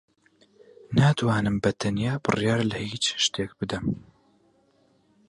ناتوانم بەتەنیا بڕیار لە ھیچ شتێک بدەم.